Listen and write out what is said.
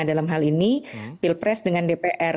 dalam hal ini pilpres dengan dpr